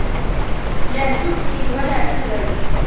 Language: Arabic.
لا تُبقي وَلا تَذَرُ